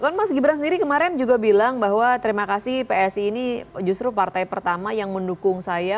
kan mas gibran sendiri kemarin juga bilang bahwa terima kasih psi ini justru partai pertama yang mendukung saya